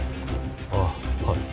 あっはい